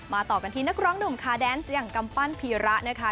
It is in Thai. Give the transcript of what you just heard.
ต่อกันที่นักร้องหนุ่มคาแดนซ์อย่างกำปั้นพีระนะคะ